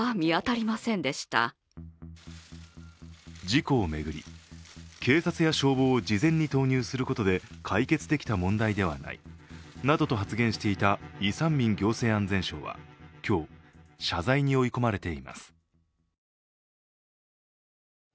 事故を巡り、警察や消防を事前に投入することで解決できた問題ではないなどと発言していたイ・サンミン行政安全相は今日、謝罪に追い込まれています。